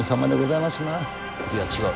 いや違う。